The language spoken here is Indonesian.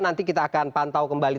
nanti kita akan pantau kembali